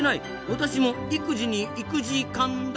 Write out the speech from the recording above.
私も育児に行く時間だ！